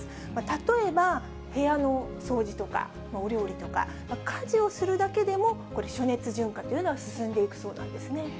例えば、部屋の掃除とかお料理とか、家事をするだけでも、暑熱順化というのは進んでいくそうなんですね。